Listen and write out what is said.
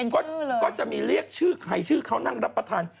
ก็จะมีเรียกชื่อใครชื่อเขานั่งรับประทาน